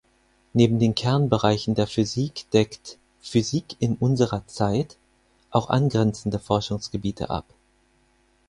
Neben den Kernbereichen der Physik deckt „Physik in unserer Zeit“ auch angrenzende Forschungsgebiete ab.